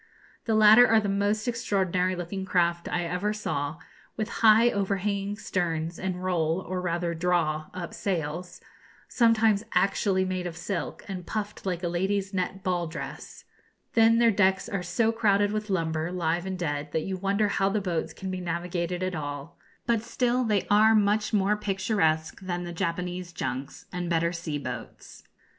The latter are the most extraordinary looking craft I ever saw, with high, overhanging sterns and roll, or rather draw, up sails, sometimes actually made of silk, and puffed like a lady's net ball dress. Then their decks are so crowded with lumber, live and dead, that you wonder how the boats can be navigated at all. But still they are much more picturesque than the Japanese junks, and better sea boats.